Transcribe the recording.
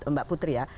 mbak putri ya